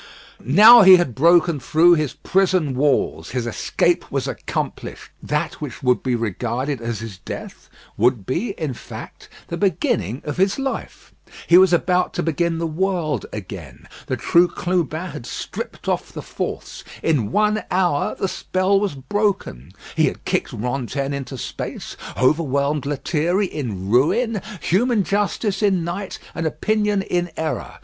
Now he had broken through his prison walls. His escape was accomplished. That which would be regarded as his death, would be, in fact, the beginning of his life. He was about to begin the world again. The true Clubin had stripped off the false. In one hour the spell was broken. He had kicked Rantaine into space; overwhelmed Lethierry in ruin; human justice in night, and opinion in error.